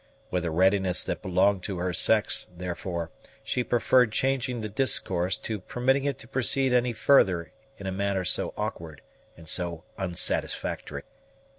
With a readiness that belonged to her sex, therefore, she preferred changing the discourse to permitting it to proceed any further in a manner so awkward and so unsatisfactory.